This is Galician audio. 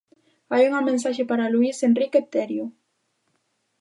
Hai unha mensaxe para Luís Enrique, Terio.